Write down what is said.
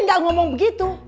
tidak ada yang ngomong begitu